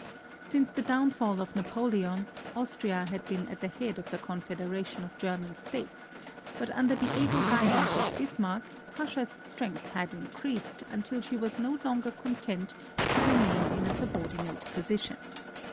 Since the downfall of Napoleon, Austria had been at the head of the Confederation of German States, but under the able guidance of Bismarck, Prussia's strength had increased until she was no longer content to remain in a subordinate position.